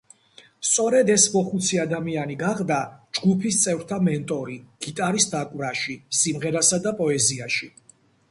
სწორედ ეს მოხუცი ადამიანი გახდა ჯგუფის წევრთა მენტორი გიტარის დაკვრაში, სიმღერასა და პოეზიაში.